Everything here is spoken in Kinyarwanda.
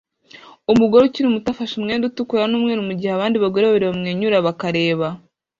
Umugore ukiri muto afashe umwenda utukura n'umweru mugihe abandi bagore babiri bamwenyura bakareba